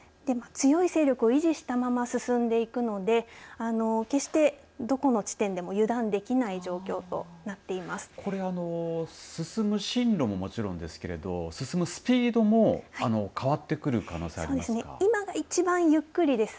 強い勢力を維持したまま進んでいくので決してどこの地点でも油断できない状況とこれ進む進路ももちろんですけれど進むスピードも変わってくる今が一番ゆっくりです。